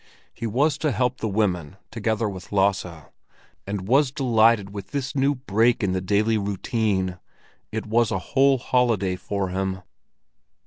He was to help the women together with Lasse, and was delighted with this break in the daily routine; it was a whole holiday for him.